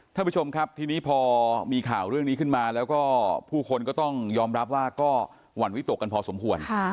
ท่านผู้ชมครับทีนี้พอมีข่าวเรื่องนี้ขึ้นมาแล้วก็ผู้คนก็ต้องยอมรับว่าก็หวั่นวิตกกันพอสมควร